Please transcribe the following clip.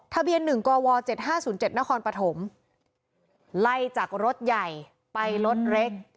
ทะเบียน๑กว๗๕๐๗นครปฐมไล่จากรถใหญ่ไปรถเล็ก